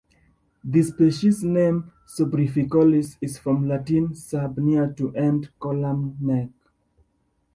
The species name "subruficollis" is from Latin "sub", "near to" and "collum", "neck".